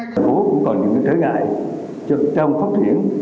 thành phố cũng còn nhiều cái khởi ngại trong phát triển